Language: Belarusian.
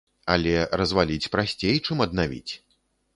Але разваліць прасцей, чым аднавіць.